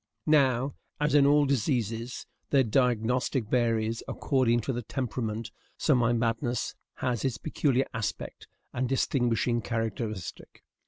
Now, as in all diseases, the diagnostic varies according to the temperament, so my madness has its peculiar aspects and distinguishing characteristic.